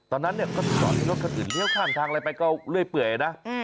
ตอนนั้นเนี่ยก็ตอนที่รถคันอื่นเลี้ยวข้ามทางอะไรไปก็เรื่อยเปื่อยนะ